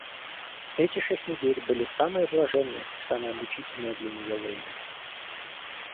Эти шесть недель были самое блаженное и самое мучительное для нее время.